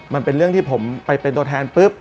มันเป็นเรื่องที่ผมไปเป็นตัวแทนปุ๊บ